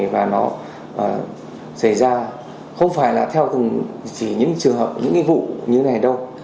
và nó xảy ra không phải là theo những vụ như này đâu